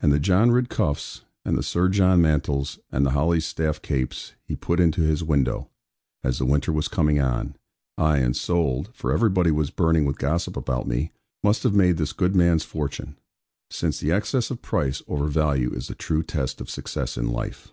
And the 'John Ridd cuffs,' and the 'Sir John mantles,' and the 'Holly staff capes,' he put into his window, as the winter was coming on, ay and sold (for everybody was burning with gossip about me), must have made this good man's fortune; since the excess of price over value is the true test of success in life.